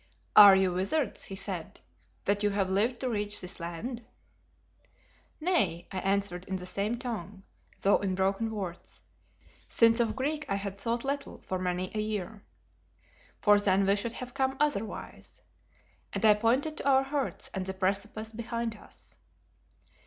"Are you wizards," he said, "that you have lived to reach this land?" "Nay," I answered in the same tongue, though in broken words since of Greek I had thought little for many a year "for then we should have come otherwise," and I pointed to our hurts and the precipice behind us.